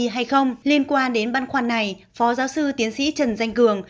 hay không liên quan đến băn khoan này phó giáo sư tiến sĩ trần danh cường